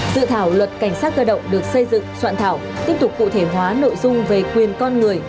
dự thảo luật cảnh sát cơ động được xây dựng soạn thảo tiếp tục cụ thể hóa nội dung về quyền con người